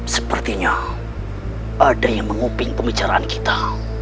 sepertinya ada yang menguping pembicaraan kita